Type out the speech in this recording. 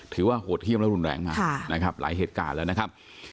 ถือว่าหดเขี้ยมและรุนแรงมากหลายเหตุการณ์แล้วนะครับ